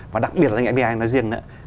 và đặc biệt là doanh nghiệp fbi nói riêng nữa